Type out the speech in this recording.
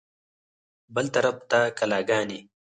بل طرف ته کلاګانې.